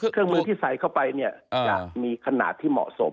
เครื่องมือที่ใส่เข้าไปเนี่ยจะมีขนาดที่เหมาะสม